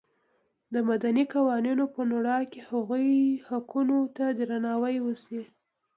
د مدني قوانینو په رڼا کې هغوی حقونو ته درناوی وشي.